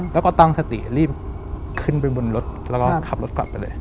แล้วก็ตั้งสติรีบขึ้นไปบนรถแล้วก็ขับรถกลับไปเลย